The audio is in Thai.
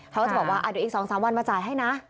เขาก็จะบอกว่าเดี๋ยวอีก๒๓วันมาจ่ายให้นะ